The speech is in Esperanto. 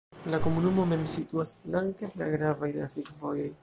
La komunumo mem situas flanke de la gravaj trafikvojoj.